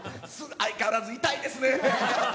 相変わらず痛いですね。